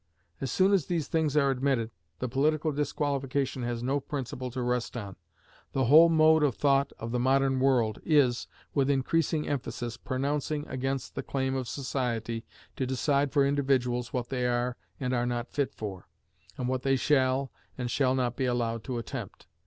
As soon as these things are admitted, the political disqualification has no principle to rest on. The whole mode of thought of the modern world is, with increasing emphasis, pronouncing against the claim of society to decide for individuals what they are and are not fit for, and what they shall and shall not be allowed to attempt.